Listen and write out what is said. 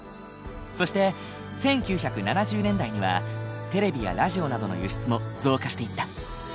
そして１９７０年代にはテレビやラジオなどの輸出も増加していった。